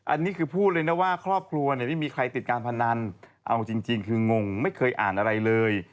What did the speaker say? อันนี้คือพูดเลยนะว่าครอบครัวเนี่ยไม่มีใครติดการพนันเอาจริงคืองงไม่เคยอ่านอะไรเลย